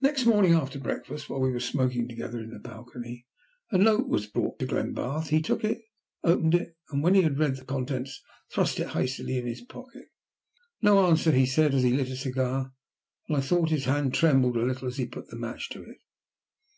Next morning after breakfast, while we were smoking together in the balcony, a note was brought to Glenbarth. He took it, opened it, and when he had read the contents, thrust it hastily into his pocket. "No answer," he said, as he lit a cigar, and I thought his hand trembled a little as he put the match to it.